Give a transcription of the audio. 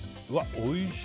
おいしい。